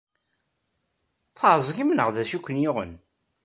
Tɛeẓgem neɣ d acu ay ken-yuɣen?